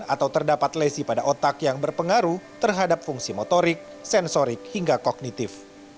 atau terdapat lesi pada otak yang berpengaruh terhadap fungsi motorik sensorik hingga kognitif